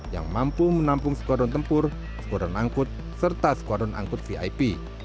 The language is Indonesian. yang mampu menampung skuadron tempur skuadron angkut serta skuadron angkut vip